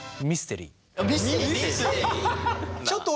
ミステリー！？